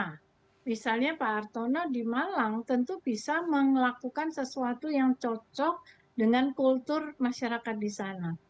nah misalnya pak hartono di malang tentu bisa melakukan sesuatu yang cocok dengan kultur masyarakat di sana